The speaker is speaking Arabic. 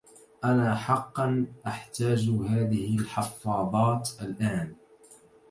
أنا حقا أحتاج هذه الحفاظات الآن.